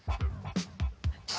あ